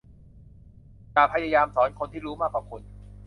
อย่าพยายามสอนคนที่รู้มากกว่าคุณ